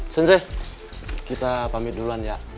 sensei kita pamit duluan ya